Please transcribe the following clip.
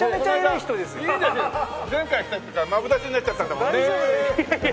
前回来た時からマブダチになっちゃったんだもんね。